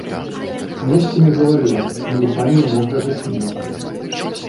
Месцамі галалёд, наліпанне мокрага снегу.